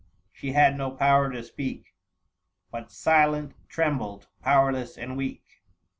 She had no power to speak, But silent trembled, powerless and weak.